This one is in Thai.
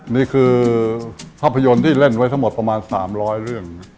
นี่คือภาพยนตร์ที่เล่นไว้ทั้งหมดประมาณ๓๐๐เรื่อง